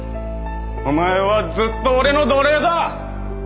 お前はずっと俺の奴隷だ！